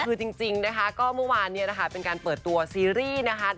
คือจริงนะคะก็เมื่อวานเนี่ยนะคะเป็นการเปิดตัวซีรีส์นะคะ